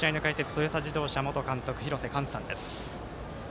トヨタ自動車元監督廣瀬寛さんです。